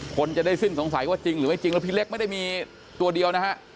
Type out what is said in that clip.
คนจะได้สิ้นสงสัยว่าจริงหรือไม่จริงแล้วพี่เล็กไม่ได้มีตัวเดียวนะฮะ